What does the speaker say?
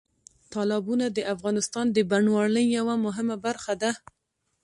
تالابونه د افغانستان د بڼوالۍ یوه مهمه برخه ده.